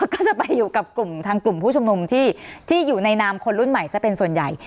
ก็จะไปอยู่กับกลุ่มทางกลุ่มผู้ชุมนุมที่อยู่ในนามคนรุ่นใหม่ซะเป็นส่วนใหญ่